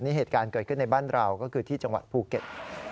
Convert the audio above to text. นี่เหตุการณ์เกิดขึ้นในบ้านเราก็คือที่จังหวัดภูเก็ต